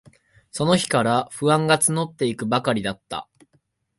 その日から、不安がつのっていくばかりだった。